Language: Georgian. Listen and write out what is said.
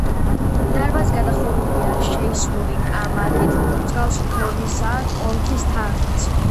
დარბაზი გადახურულია შეისრული კამარით, მსგავსი ფორმისაა კონქის თაღიც.